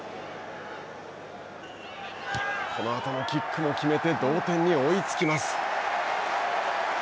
このあとのキックも決めて同点に追いつきます。